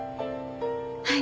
はい。